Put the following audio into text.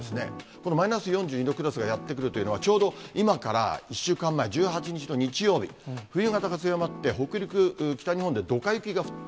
このマイナス４２度クラスがやって来るというのは、ちょうど今から１週間前、１８日の日曜日、冬型が強まって北陸、北日本でどか雪が降った。